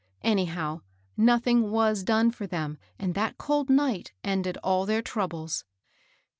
Anyhow nothing was done for them, and that cold night ended all their troubles.